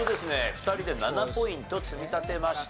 ２人で７ポイント積み立てました。